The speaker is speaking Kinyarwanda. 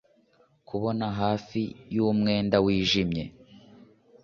Kubona hafi yumwenda wijimye